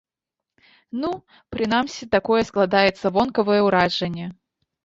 Ну, прынамсі такое складаецца вонкавае ўражанне.